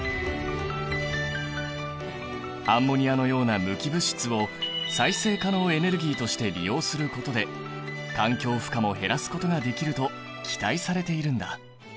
アンモニアのような無機物質を再生可能エネルギーとして利用することで環境負荷も減らすことができると期待されているんだ。